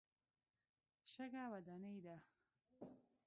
شګه وداني ده.